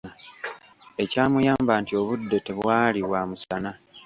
Ekyamuyamba nti obudde tebwali bwa musana.